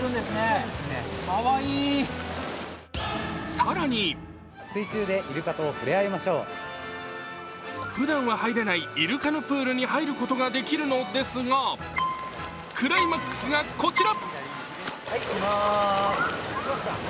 更にふだんは入れないイルカのプールに入ることができるのですがクライマックスがこちら。